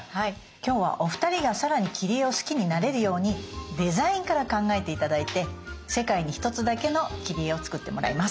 今日はお二人がさらに切り絵を好きになれるようにデザインから考えて頂いて世界に１つだけの切り絵を作ってもらいます。